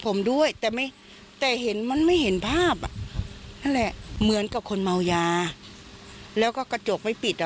ผมด้วยแต่ไม่แต่เห็นมันไม่เห็นภาพอ่ะนั่นแหละเหมือนกับคนเมายาแล้วก็กระจกไม่ปิดอ่ะ